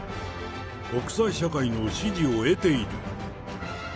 国際社会の支持を得ている。